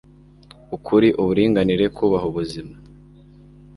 ukuri, uburinganire, kubaha ubuzima